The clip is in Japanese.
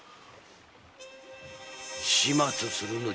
始末するのじゃ。